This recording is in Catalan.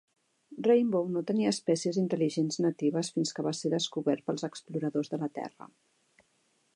Rainbow no tenia espècies intel·ligents natives fins que va ser descobert pels exploradors de la Terra.